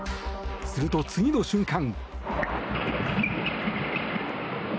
すると、次の瞬間。